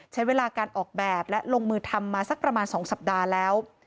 ใช้เวลาการออกแบบและลงมือทำมาสักประมาณ๒สัปดาห์แล้ว